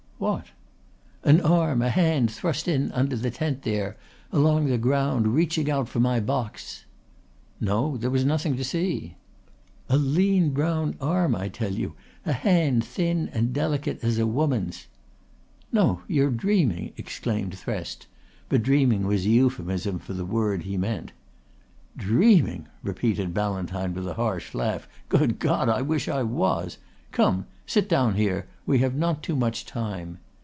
"What?" "An arm, a hand thrust in under the tent there, along the ground reaching out for my box." "No. There was nothing to see." "A lean brown arm, I tell you, a hand thin and delicate as a woman's." "No. You are dreaming," exclaimed Thresk; but dreaming was a euphemism for the word he meant. "Dreaming!" repeated Ballantyne with a harsh laugh. "Good God! I wish I was. Come. Sit down here! We have not too much time."